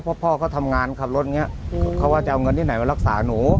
เพราะพ่อเขาทำงานขับรถอย่างนี้เขาว่าจะเอาเงินที่ไหนมารักษาหนู